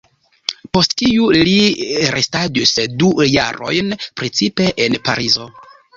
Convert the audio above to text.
Post tiu li restadis du jarojn precipe en Parizo.